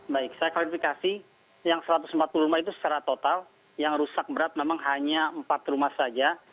baik saya klarifikasi yang satu ratus empat puluh rumah itu secara total yang rusak berat memang hanya empat rumah saja